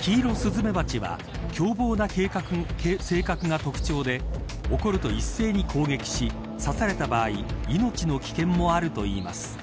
キイロスズメバチは凶暴な性格が特徴で怒ると一斉に攻撃し刺された場合、命の危険もあるといいます。